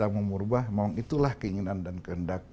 merubah itulah keinginan dan kehendak